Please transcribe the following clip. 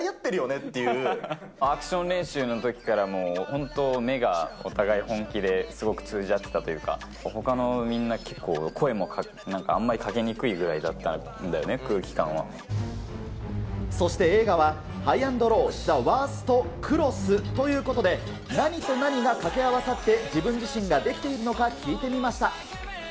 ねっアクション練習のときから、本当、目がお互い本気で、すごく通じ合ってたというか、ほかのみんな、結構声もなんかあんまりかけにくいぐらいだったんだよね、空気感そして映画は、ＨｉＧＨ＆ＬＯＷ・ザ・ワーストクロスということで、何と何がかけ合わさって、自分自身ができているのか聞いてみました。